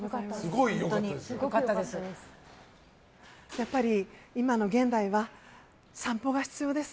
やっぱり今の現代は散歩が必要です。